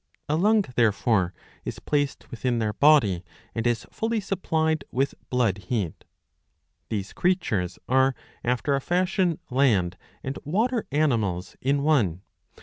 '*^ A lung, therefore, is placed within their body, and is fully supplied with blood heat. These creatures are after a fashion land and water animals in one.